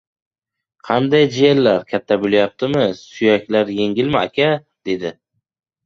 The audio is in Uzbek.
— Qanday, jiyanlar katta bo‘layaptimi, suyaklar yengilmi, aka?... — dedi.